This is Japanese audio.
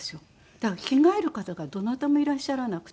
だから着替える方がどなたもいらっしゃらなくて。